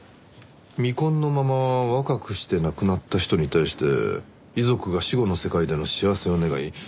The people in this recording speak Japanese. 「未婚のまま若くして亡くなった人に対して遺族が死後の世界での幸せを願い